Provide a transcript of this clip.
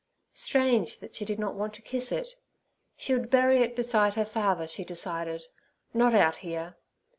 Strange that she did not want to kiss it. She would bury it beside her father, she decided, not out here.